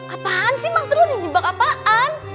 apaan sih maksud lo dijebak apaan